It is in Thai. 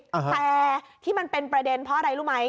แต่ที่มันเป็นประเด็นเพราะอะไรรู้ไหม